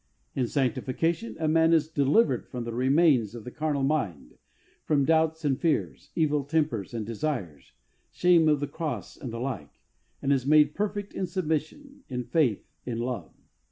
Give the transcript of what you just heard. In sanctification, a man is delivered from the remains of the carnal mind, from doubts and fears, evil tempers and desires, shame of the cross and the like, and is made perfect in submission, in faith, in love.